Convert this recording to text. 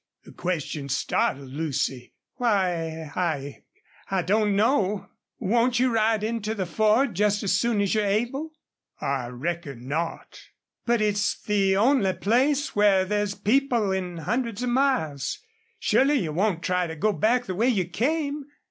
The question startled Lucy. "Why I I don't know.... Won't you ride in to the Ford just as soon as you're able?" "I reckon not." "But it's the only place where there's people in hundreds of miles. Surely you won't try to go back the way you came?"